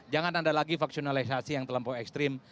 jangan ada lagi vaksinalisasi yang terlampau ekstrim